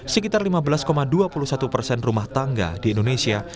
sekitar lima belas dua puluh satu persen rumah tangga di indonesia